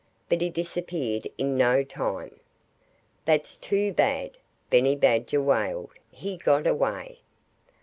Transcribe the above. "But he disappeared in no time." "That's too bad!" Benny Badger wailed. "He got away!"